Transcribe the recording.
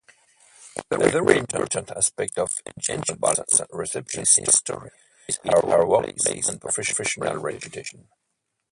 A very important aspect of Inchbald's reception history is her workplace and professional reputation.